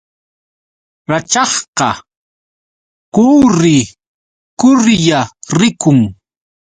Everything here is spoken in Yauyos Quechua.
Rachakqa kuurri kurrilla rikun.